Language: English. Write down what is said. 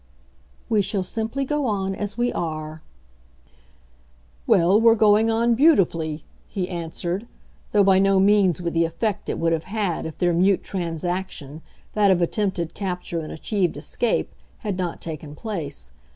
"We shall simply go on as we are." "Well, we're going on beautifully," he answered though by no means with the effect it would have had if their mute transaction, that of attempted capture and achieved escape, had not taken place.